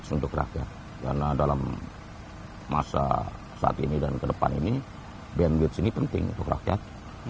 untuk rakyat karena dalam masa saat ini dan ke depan ini bandwich ini penting untuk rakyat